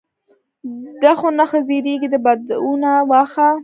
دښو نه ښه زیږیږي، د بدونه واښه.